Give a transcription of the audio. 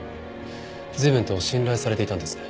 随分と信頼されていたんですね。